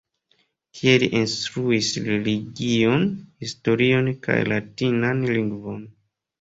Tie li instruis religion, historion kaj latinan lingvon.